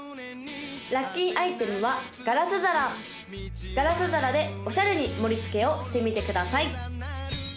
・ラッキーアイテムはガラス皿ガラス皿でオシャレに盛りつけをしてみてください